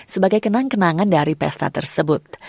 sebagai kenang kenangan dari pesta tersebut